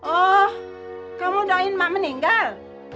oh kamu doain mak meninggal